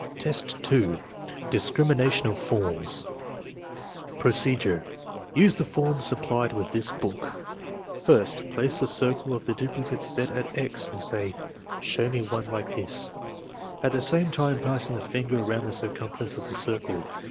IV, 2. Discrimination of forms Procedure. Use the forms supplied with this book. First, place the circle of the duplicate set at "X," and say: " Show me one like this," at the same time passing the finger around the circumference of the circle.